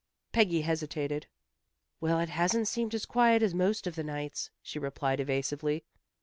Peggy hesitated. "Well, it hasn't seemed as quiet as most of the nights," she replied, evasively.